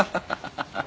ハハハハ。